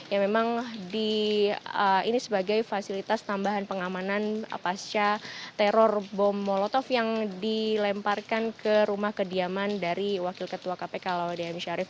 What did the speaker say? yang memang ini sebagai fasilitas tambahan pengamanan pasca teror bom molotov yang dilemparkan ke rumah kediaman dari wakil ketua kpk laude m syarif